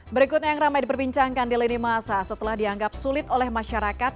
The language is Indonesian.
berikutnya yang ramai diperbincangkan di lini masa setelah dianggap sulit oleh masyarakat